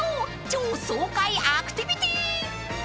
［超爽快アクティビティ］